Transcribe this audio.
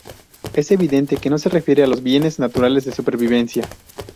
Es evidente que no se refiere a los bienes naturales de supervivencia.